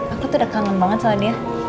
aku tuh udah kangen banget soalnya